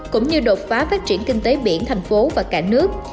cũng như đột phá phát triển kinh tế biển thành phố và cả nước